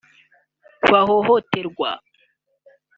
bahohoterwa